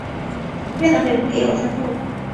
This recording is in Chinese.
越南北部也有分布。